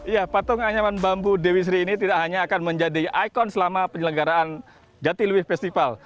ya patung anyaman bambu dewi sri ini tidak hanya akan menjadi ikon selama penyelenggaraan jatiluwe festival